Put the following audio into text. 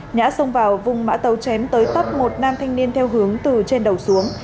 nhã xông vào vùng mã tấu chém tới tấp một nam thanh niên theo hướng từ trên đầu xuống